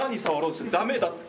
ダメだって。